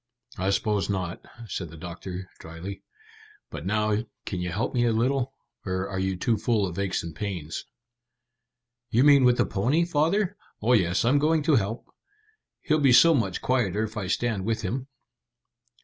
"I suppose not," said the doctor dryly. "But now, can you help me a little, or are you too full of aches and pains?" "You mean with the pony, father? Oh yes, I'm going to help. He'll be so much quieter if I stand with him."